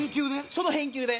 その返球で。